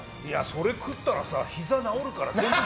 それ食ったらさ、ひざ治るかな。